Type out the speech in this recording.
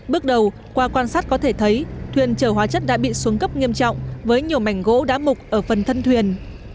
bước đầu qua quan sát có thể thấy thuyền chở hóa chất đã bị xuống cấp nghiêm trọng với nhiều mảnh gỗ đã mục ở phần thân thuyền